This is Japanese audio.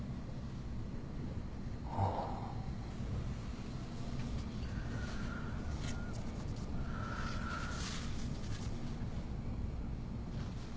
ああ。